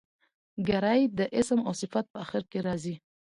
ګری د اسم او صفت په آخر کښي راځي.